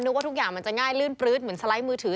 ว่าทุกอย่างมันจะง่ายลื่นปลื๊ดเหมือนสไลด์มือถือ